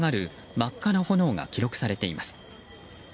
真っ赤な炎が記録されています。